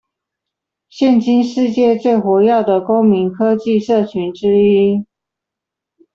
現今世界最活躍的公民科技社群之一